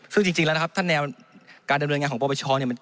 ซึ่งจริงแล้วนะครับถ้าแนวการดำเนินงานของปปชเนี่ย